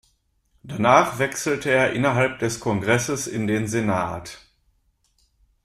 Danach wechselte er innerhalb des Kongresses in den Senat.